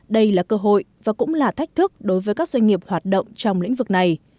đây là cơ hội và cũng là thách thức đối với các doanh nghiệp hoạt động trong lĩnh vực này